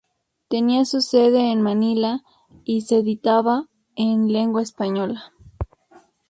Tenía su sede en Manila y se editaba en lengua española.